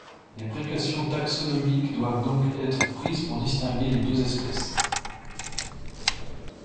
Des précautions taxonomiques doivent donc être prises pour distinguer les deux espèces.